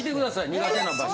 苦手な場所。